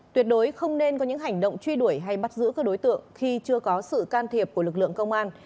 tuyệt đối không nên có những hành động truy đuổi hay bắt giữ các đối tượng khi chưa có sự can thiệp của lực lượng công an